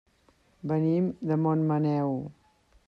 Venim de Montmaneu.